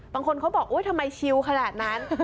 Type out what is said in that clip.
บางคนเขาบอกทำไมชิลขนาดนั้น